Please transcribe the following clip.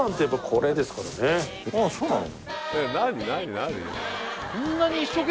ああそうなの？